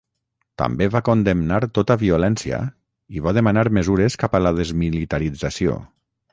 També va condemnar tota violència i va demanar mesures cap a la desmilitarització.